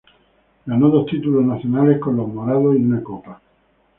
Ganó dos títulos nacionales con los morados y una copa.